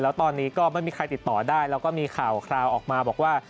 แล้วตอนนี้ก็ไม่มีใครติดต่อได้แล้วก็มีข่าวคราวออกมาบอกว่า